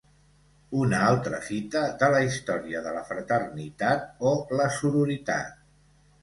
Una altra fita de la història de la fraternitat o la sororitat.